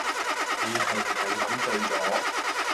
你係咪飲醉咗